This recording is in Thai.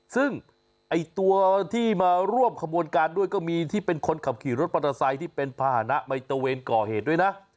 ซึ่งไอ้ตัวที่มาร่วมขบวนการด้วยก็มีที่เป็นคนขับขี่รถมอเตอร์ไซค์ที่เป็นภาษณะไมตะเวนก่อเหตุด้วยนะ